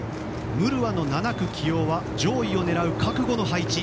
ムルワの７区起用は上位を狙う覚悟の配置。